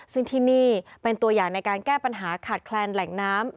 ซึ่งที่นี่เป็นตัวอย่างในการแก้ปัญหาขาดแคลนแหล่งน้ำ